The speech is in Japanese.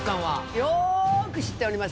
よーく知っております。